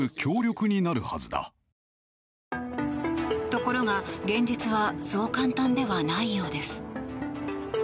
ところが、現実はそう簡単ではないようです。